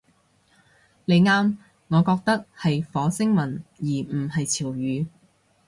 你啱，我覺得係火星文而唔係潮語